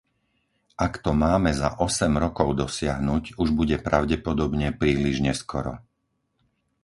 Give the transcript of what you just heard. Ak to máme za osem rokov dosiahnuť, už bude pravdepodobne príliš neskoro.